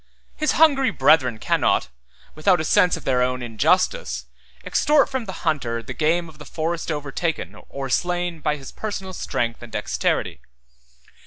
His hungry brethren cannot, without a sense of their own injustice, extort from the hunter the game of the forest overtaken or slain by his personal strength and dexterity.